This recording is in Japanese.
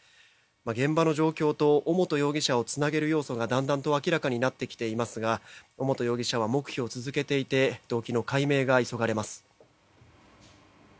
現場の状況と尾本容疑者をつなげる要素がだんだんと明らかになってきていますが尾本容疑者は黙秘を続けていて動機の解明が急がれます。